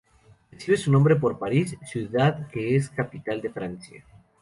Recibe su nombre por París, ciudad que es capital de Francia.